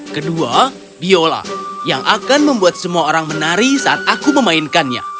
kedua biola yang akan membuat semua orang menari saat aku memainkannya